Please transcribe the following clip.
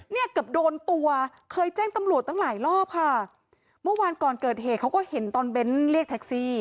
เนี่ยเกือบโดนตัวเคยแจ้งตำรวจตั้งหลายรอบค่ะเมื่อวานก่อนเกิดเหตุเขาก็เห็นตอนเบ้นเรียกแท็กซี่